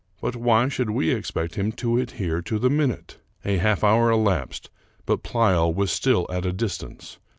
But why should we expect him to adhere to the minute? A half hour elapsed, but Pleyel was still at a distance.